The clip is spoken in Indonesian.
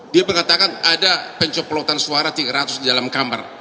dia mengatakan ada pencoplotan suara tiga ratus di dalam kamar